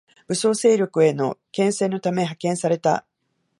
武装勢力への牽制のため派遣された